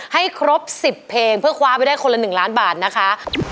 ให้ครบ๑๐เพลงเพื่อคว้าไปได้คนละ๑ล้านบาทนะคะ